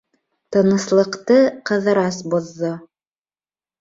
Тыныслыҡты Ҡыҙырас боҙҙо.